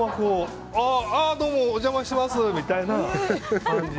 ああ、どうもお邪魔してますみたいな感じで。